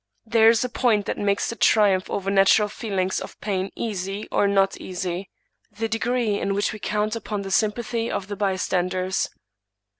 There is a point that makes the triumph over natural feelings of pain easy or not easy — the degree in which we count upon the sympathy of the bystanders.